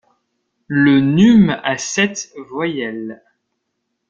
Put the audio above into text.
Le nume a sept voyelles.